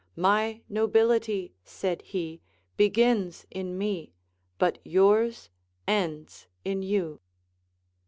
My nobility, said he, begins in me, but yours ends in you.